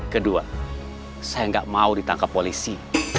kedua saya nggak mau ditangkap polisi